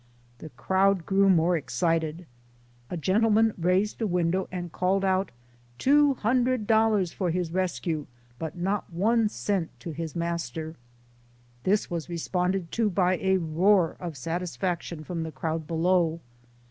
The crowd grew more excited. A gentleman raised a window and called out, " Two hundred dollars for his rescue, but not one cent to his master !" This was responded to by a roar of satisfaction from the crowd below.